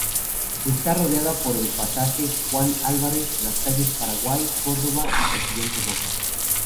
Está rodeada por el Pasaje Juan Álvarez, las calles Paraguay, Córdoba y Presidente Roca.